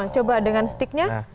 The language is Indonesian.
coba dengan stick nya